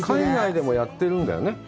海外でもやってるんだよね。